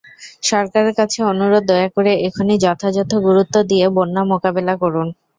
সরকারের কাছে অনুরোধ, দয়া করে এখনই যথাযথ গুরুত্ব দিয়ে বন্যা মোকাবিলা করুন।